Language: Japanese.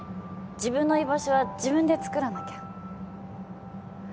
自分の居場所は自分でつくらなきゃ。